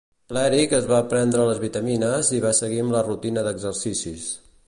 L'Eric es va prendre les vitamines i va seguir amb la rutina d'exercicis.